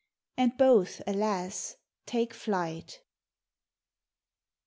And both, alas! take tlight.